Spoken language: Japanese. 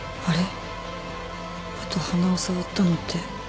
あと鼻を触ったのって。